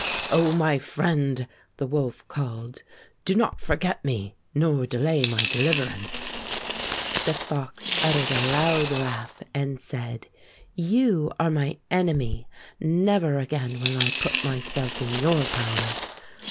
"O my friend!" the wolf called, "do not forget me nor delay my deliverance." 157 Fairy Tale Foxes The fox uttered a loud laugh and said: "You are my enemy. Never again will I put myself in your power."